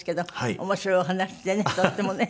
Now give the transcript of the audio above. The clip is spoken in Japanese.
面白いお話でねとてもね。